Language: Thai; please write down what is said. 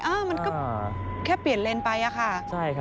มันก็แค่เปลี่ยนเลนไป